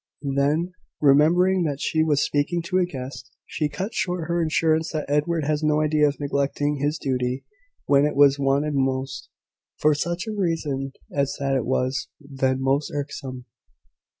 Then, remembering that she was speaking to a guest, she cut short her assurance that Edward had no idea of neglecting his duty when it was wanted most, for such a reason as that it was then most irksome.